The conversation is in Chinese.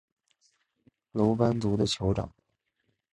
楼班族的酋长。